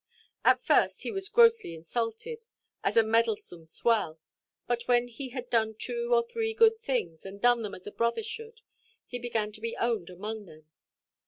At first he was grossly insulted, as a meddlesome swell; but, when he had done two or three good things, and done them as a brother should, he began to be owned among them.